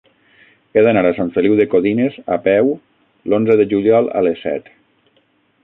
He d'anar a Sant Feliu de Codines a peu l'onze de juliol a les set.